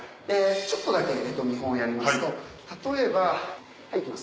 ちょっとだけ見本やりますと例えばいきます。